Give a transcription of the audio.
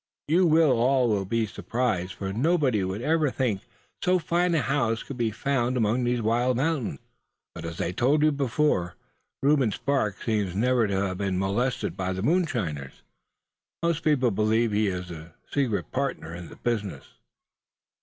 "You will all be surprised, for nobody would ever think so fine a house could be found among these wild mountains; but as I told you before, Reuben Sparks seems never to have been molested by the moonshiners. Most people believe he is a secret partner in the business."